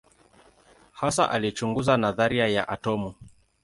Hasa alichunguza nadharia ya atomu.